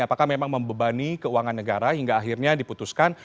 apakah memang membebani keuangan negara hingga akhirnya diputuskan